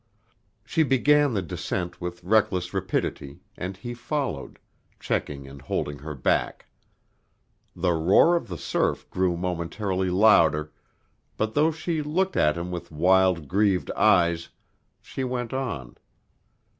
She began the descent with reckless rapidity, and he followed, checking and holding her back. The roar of the surf grew momentarily louder, but though she looked at him with wild, grieved eyes, she went on.